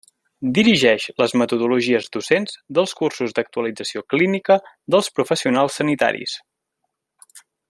Dirigeix les metodologies docents dels cursos d'actualització clínica dels professionals sanitaris.